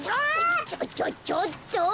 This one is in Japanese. ちょちょちょっと！